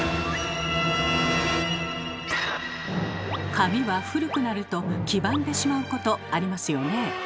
紙は古くなると黄ばんでしまうことありますよね。